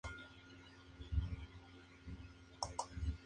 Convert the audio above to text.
Su producción literaria es muy variada.